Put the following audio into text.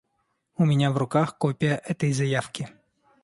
У меня в руках копия этой заявки.